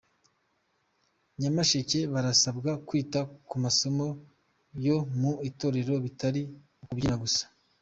Nyamasheke Barasabwa kwita ku masomo yo mu itorero bitari ukubyina gusa